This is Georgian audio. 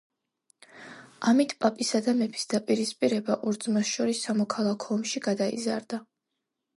ამით პაპისა და მეფის დაპირისპირება ორ ძმას შორის სამოქალაქო ომში გადაიზარდა.